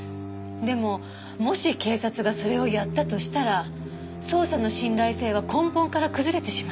でももし警察がそれをやったとしたら捜査の信頼性は根本から崩れてしまいます。